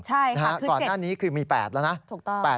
ใช่ค่ะคือ๗ก่อนหน้านี้คือมี๘แล้วนะ